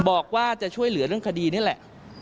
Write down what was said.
บอกว่าจะช่วยเหลือเรื่องคดีนี่แหละ